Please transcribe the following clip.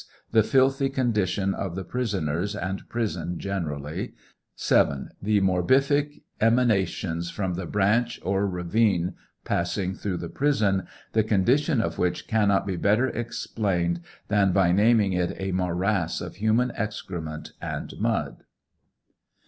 The filthy condition of the prisoners and prison generally. 7. The morbific emanations from the branch or ravine passing through the prison, the con dition of which cannot be better explained than by naming it a morass of human excrement and mud.